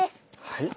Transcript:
はい。